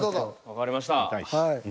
わかりました。